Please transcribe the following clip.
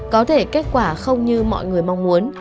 có thể kết quả không như mọi người mong muốn